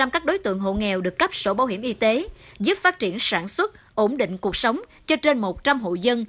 một trăm linh các đối tượng hộ nghèo được cấp sổ bảo hiểm y tế giúp phát triển sản xuất ổn định cuộc sống cho trên một trăm linh hộ dân